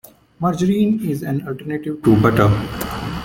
Margarine is an alternative to butter.